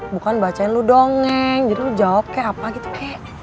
bukan bacain lu dongeng jadi lu jawab kayak apa gitu kayak